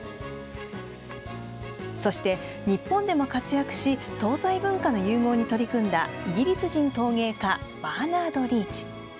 そして、日本でも活躍し東西文化の融合に取り組んだイギリス人陶芸家バーナード・リーチ。